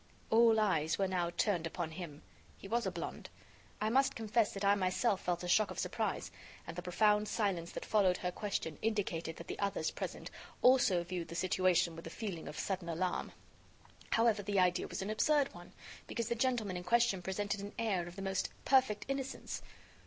All eyes were now turned upon him. He was a blonde. I must confess that I myself felt a shock of surprise, and the profound silence that followed her question indicated that the others present also viewed the situation with a feeling of sudden alarm. However, the idea was an absurd one, because the gentleman in question presented an air of the most perfect innocence.